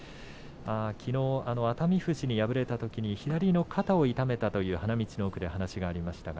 きのう、熱海富士に敗れたときに左の肩を痛めたと花道の奥で話がありました。